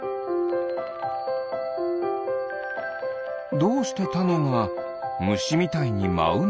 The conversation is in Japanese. どうしてタネがムシみたいにまうの？